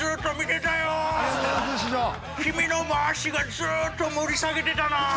君の回しがずっと盛り下げてたな。